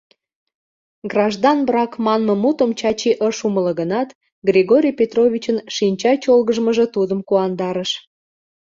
«Граждан брак» манме мутым Чачи ыш умыло гынат, Григорий Петровичын шинча чолгыжмыжо тудым куандарыш.